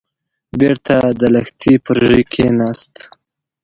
بېرته د لښتي پر ژۍ کېناست.